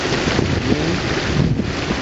Gbi.